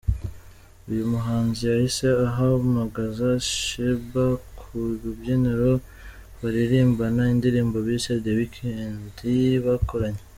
Uyu muhanzi yahise ahamagaza Sheebah ku rubyiniro baririmbana indirimbo bise "The Weekend" bakoranye.